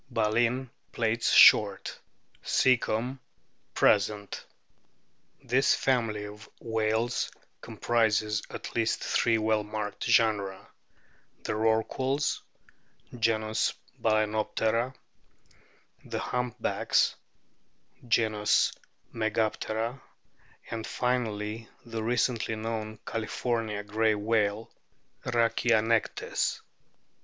Baleen plates short. Caecum present.* This family of whales comprises at least three well marked genera : the Rorquals, genus Balcen optera ; the Humpbacks, genus Megaptera ; and finally the recently known California Grey whale, Rhachianectes.